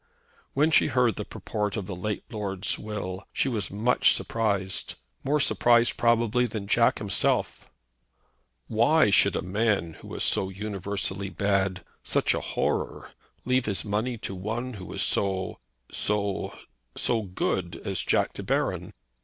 When she heard the purport of the late lord's will she was much surprised, more surprised, probably, than Jack himself. Why should a man who was so universally bad, such a horror, leave his money to one who was so so so good as Jack De Baron.